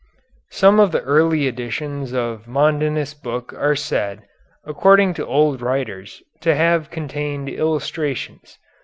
Some of the early editions of Mondinus' book are said, according to old writers, to have contained illustrations.